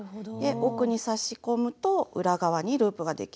奥に刺し込むと裏側にループができる。